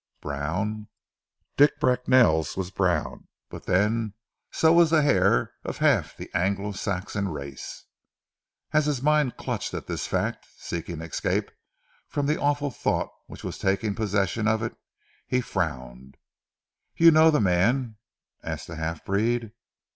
Brown! Dick Bracknell's was brown, but then so was the hair of half the Anglo Saxon race! As his mind clutched at this fact seeking escape from the awful thought which was taking possession of it, he frowned. "You know ze mans?" asked the half breed.